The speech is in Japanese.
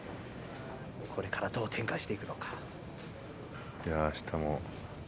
これから、どう展開していくのか。